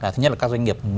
thứ nhất là các doanh nghiệp